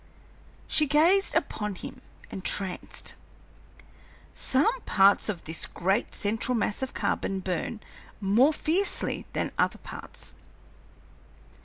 She gazed upon him, entranced. "Some parts of this great central mass of carbon burn more fiercely than other parts.